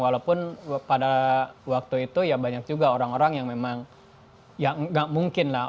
walaupun pada waktu itu ya banyak juga orang orang yang memang ya nggak mungkin lah